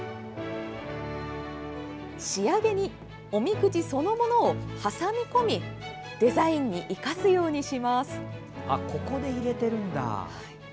仕上げにおみくじそのものを挟み込みデザインに生かすようにします。